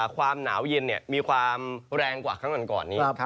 ความหนาวเย็นมีความแรงกว่าครั้งก่อนนี้